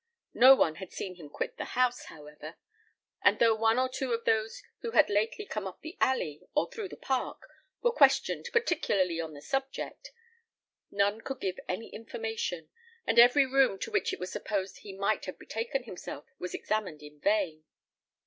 No one had seen him quit the house, however; and though one or two of those who had lately come up the alley, or through the park, were questioned particularly on the subject, none could give any information, and every room to which it was supposed he might have betaken himself was examined in vain.